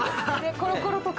コロコロとか。